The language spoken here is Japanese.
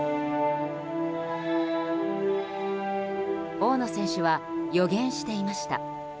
大野選手は予言していました。